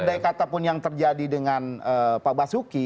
andai kata pun yang terjadi dengan pak basuki